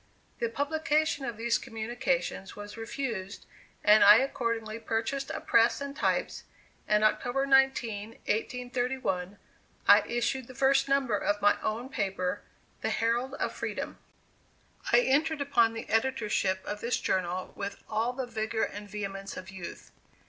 The publication of these communications was refused and I accordingly purchased a press and types, and October 19, 1831, I issued the first number of my own paper, The Herald of Freedom. I entered upon the editorship of this journal with all the vigor and vehemence of youth.